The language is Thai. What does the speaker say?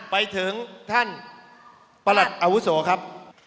ไปถึงท่านประหลัดอาวุโสครับ